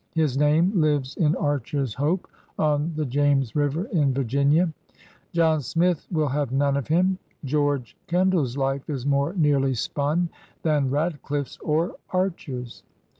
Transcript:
His name lives in Archer's Hope on the James River in Virginia. John Smith will have none of him! George Ken dall's life is more nearly spun than Ratcliffe's or Archer's.